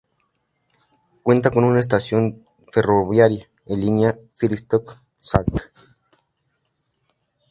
Cuenta con una estación ferroviaria, en la línea Tijoretsk-Salsk.